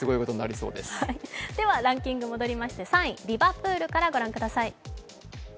ランキングに戻りまして、３位リバプールからご覧ください。